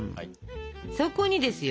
そこにですよ。